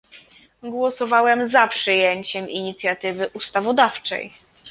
Głosowałem za przyjęciem inicjatywy ustawodawczej